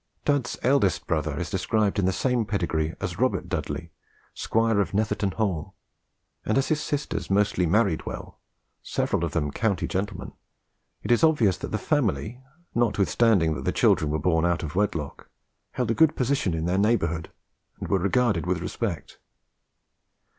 Dud's eldest brother is described in the same pedigree as Robert Dudley, Squire, of Netherton Hall; and as his sisters mostly married well, several of them county gentlemen, it is obvious that the family, notwithstanding that the children were born out of wedlock, held a good position in their neighbourhood, and were regarded with respect.